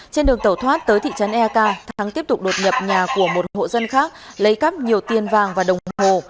trên đường tẩu thoát tới thị trấn ea cao thắng tiếp tục đột nhập nhà của một hộ dân khác lấy cắp nhiều tiền vàng và đồng hồ